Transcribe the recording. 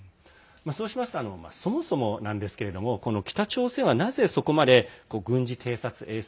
そうしますと、そもそも北朝鮮はなぜ、そこまで、軍事偵察衛星